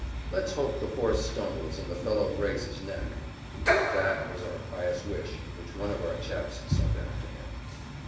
"Let's hope the horse stumbles and the fellow breaks his neck." That was our pious wish which one of our chaps sent after him.